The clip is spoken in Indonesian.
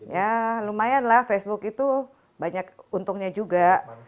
ya lumayan lah facebook itu banyak untungnya juga